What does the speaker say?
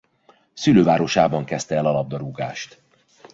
Szülővárosában kezdte el a labdarúgást.